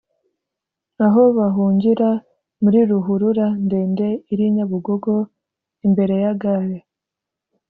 aho bahungira muri Ruhurura ndende iri i Nyabugogo imbere ya Gare